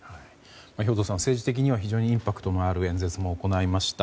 兵頭さん、政治的には非常にインパクトのある演説を行いました。